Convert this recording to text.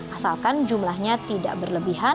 asalkan jumlahnya tidak berlebihan